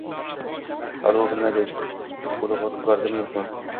Hali u bilmaydi: urug‘i ko‘karadimi- yo‘qmi?